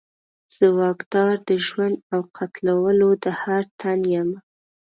زه واکدار د ژوند او قتلولو د هر تن یمه